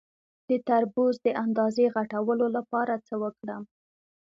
د تربوز د اندازې غټولو لپاره څه وکړم؟